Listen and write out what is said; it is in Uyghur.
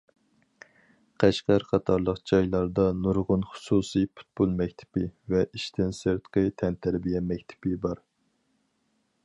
قەشقەر قاتارلىق جايلاردا نۇرغۇن خۇسۇسىي پۇتبول مەكتىپى ۋە ئىشتىن سىرتقى تەنتەربىيە مەكتىپى بار.